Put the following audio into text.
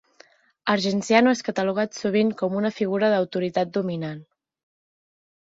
Argenziano és catalogat sovint com una figura d'autoritat dominant.